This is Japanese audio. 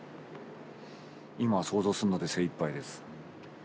今は想像するので精いっぱいです。